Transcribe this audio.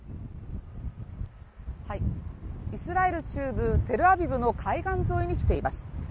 イスラエル中部・テルアビブの海岸沿いに来ています